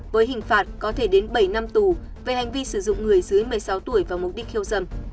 với hình phạt có thể đến bảy năm tù về hành vi sử dụng người dưới một mươi sáu tuổi vào mục đích khiêu dầm